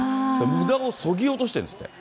むだをそぎ落としてるんですって。